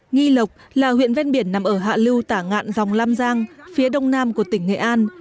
nghi lộc là huyện ven biển nằm ở hạ lưu tả ngạn dòng lam giang phía đông nam của tỉnh nghệ an